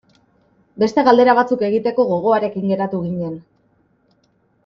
Beste galdera batzuk egiteko gogoarekin geratu ginen.